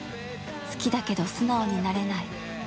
好きだけど素直になれない。